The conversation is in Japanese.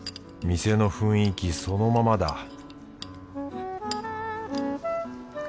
店の雰囲気そのままだ